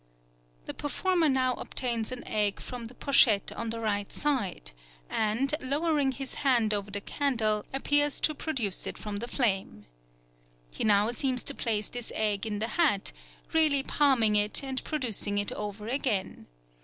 The performer now obtains an egg from the pochette on the right side, and, lowering his hand over the candle, appears to produce it from the flame. He now seems to place this egg in the hat, really palming it and producing it over again.